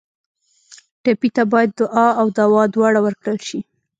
ټپي ته باید دعا او دوا دواړه ورکړل شي.